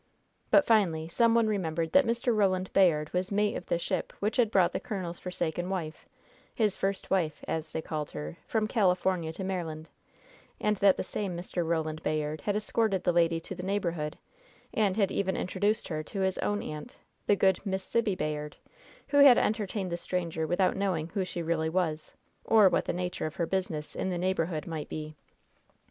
But, finally, some one remembered that Mr. Roland Bayard was mate of the ship which had brought the colonel's forsaken wife his first wife, as they called her from California to Maryland, and that the same Mr. Roland Bayard had escorted the lady to the neighborhood, and had even introduced her to his own aunt, the good Miss Sibby Bayard, who had entertained the stranger without knowing who she really was, or what the nature of her business in the neighborhood might be.